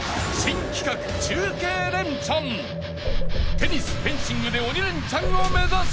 ［テニスフェンシングで鬼レンチャンを目指せ！］